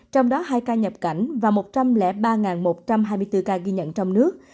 trong đó hai ca nhập cảnh và một trăm linh ba một trăm hai mươi bốn ca ghi nhận trong nước